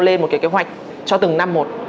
lên một cái kế hoạch cho từng năm một